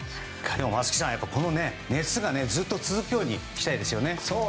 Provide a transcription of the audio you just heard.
松木さん、この熱がずっと続くようにしたいですね。